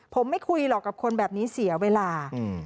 ผมไม่คุยหรอกกับคนแบบนี้เสียเวลา